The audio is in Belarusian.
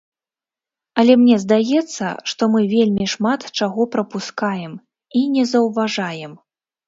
Але мне здаецца, што мы вельмі шмат чаго прапускаем і не заўважаем.